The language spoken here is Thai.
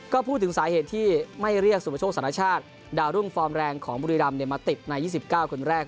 ก็พูดถึงสาเหตุที่ไม่เรียกสุปโชคสารชาติดาวรุ่งฟอร์มแรงของบุรีรำมาติดใน๒๙คนแรก